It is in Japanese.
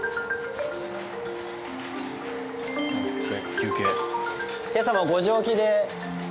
休憩。